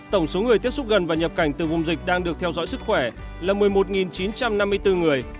tổng số người tiếp xúc gần và nhập cảnh từ vùng dịch đang được theo dõi sức khỏe là một mươi một chín trăm năm mươi bốn người